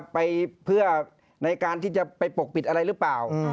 ไปเพื่อในการที่จะไปปกปิดอะไรหรือเปล่า